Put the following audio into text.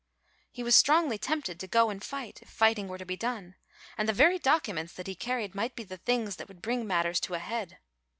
He was strongly tempted to go and fight, if fighting were to be done, and the very documents that he carried might be the things that would bring matters to a head.